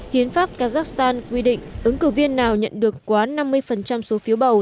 hiến pháp kazakhstan quy định ứng cử viên nào nhận được quá năm mươi số phiếu bầu